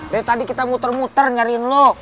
dari tadi kita muter muter nyariin lo